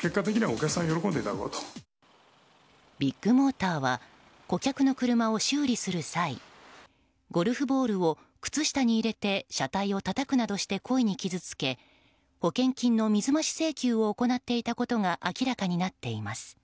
ビッグモーターは顧客の車を修理する際ゴルフボールを靴下に入れて車体をたたくなどして故意に傷つけ保険金の水増し請求を行っていたことが明らかになっています。